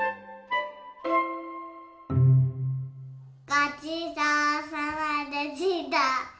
ごちそうさまでした！